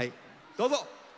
どうぞ！